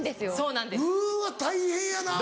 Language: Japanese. うわ大変やな。